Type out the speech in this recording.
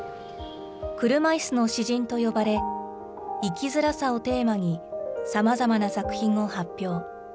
車いすの詩人と呼ばれ、生きづらさをテーマに、さまざまな作品を発表。